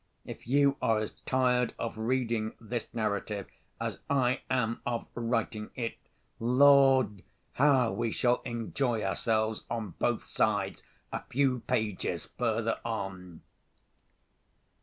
If you are as tired of reading this narrative as I am of writing it—Lord, how we shall enjoy ourselves on both sides a few pages further on!